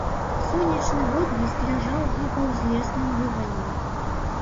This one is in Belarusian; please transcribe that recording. Сонечны водбліск ляжаў на паўзлесным выгане.